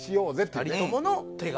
２人ともの手柄。